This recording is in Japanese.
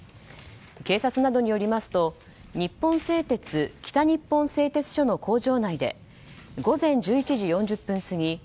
警察などによりますと日本製鉄北日本製鉄所の工場内で午前１１時４０分過ぎ